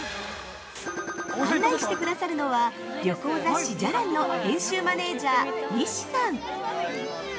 案内してくださるのは旅行雑誌じゃらんの編集マネージャー、西さん。